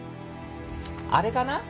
あれかな？